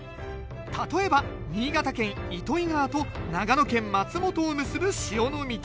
例えば新潟県糸魚川と長野県松本を結ぶ塩の道。